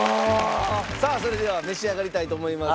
さあそれでは召し上がりたいと思います。